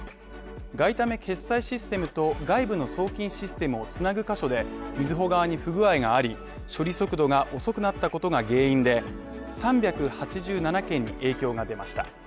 外為決済システムと外部の送金システムを繋ぐ箇所でみずほ側に不具合があり、処理速度が遅くなったことが原因で３８７件に影響が出ました。